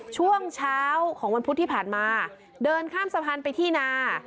ช่วงเช้าของวันพุธที่ผ่านมาเดินข้ามสะพานไปที่นา